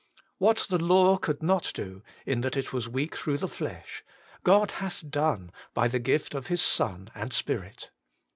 What the law could not do, in that it was weak through the flesh, God hath done by the gift of His Son and Spirit.